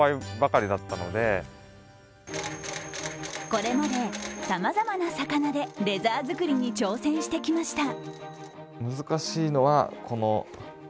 これまで、さまざまな魚でレザー作りに挑戦してきました。